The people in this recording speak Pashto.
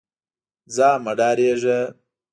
ځه مه ډارېږه.